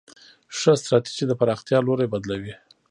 ښه ستراتیژي د پراختیا لوری بدلوي.